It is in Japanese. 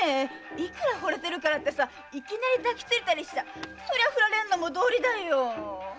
いくら惚れてるからっていきなり抱きついたりしちゃふられるのも道理だよ！